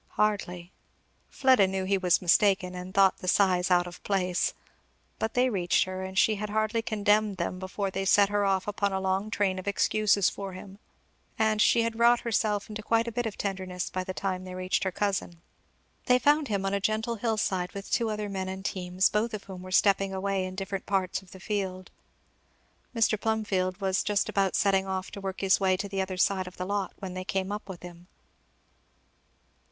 "Hardly." Fleda knew he was mistaken and thought the sighs out of place. But they reached her; and she had hardly condemned them before they set her off upon a long train of excuses for him, and she had wrought herself into quite a fit of tenderness by the time they reached her cousin. They found him on a gentle side hill, with two other men and teams, both of whom were stepping away in different parts of the field. Mr. Plumfield was just about setting off to work his way to the other side of the lot when they came up with him.